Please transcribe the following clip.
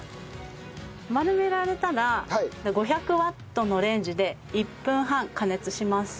丸められたら５００ワットのレンジで１分半加熱します。